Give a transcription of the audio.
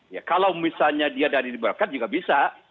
ya kalau misalnya dia dari di bawah kan juga bisa